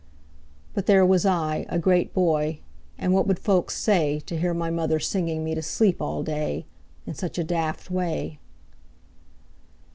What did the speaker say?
But there was I, a great boy, And what would folks say To hear my mother singing me To sleep all day, In such a daft way?